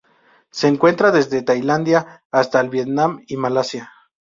Se encuentra desde Tailandia hasta el Vietnam y Malasia.